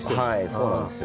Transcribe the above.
そうなんですよ。